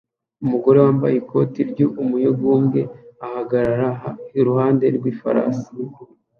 Umugore wambaye ikoti ry'umuyugubwe ahagarara iruhande rw'ifarashi